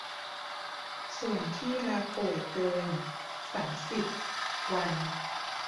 ส่วนที่ลาป่วยเกิน สามสิบ วัน